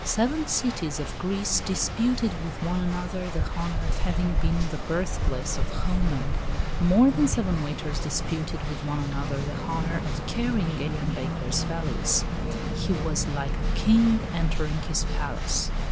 Seven cities of Greece disputed with one another the honor of having been the birthplace of Homer; more than seven waiters disputed with one another the honor of carrying Adrian Baker's valise. He was like a king entering his palace.